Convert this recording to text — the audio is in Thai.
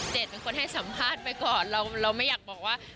เป็นคนให้สัมภาษณ์ไปก่อนเราไม่อยากบอกว่า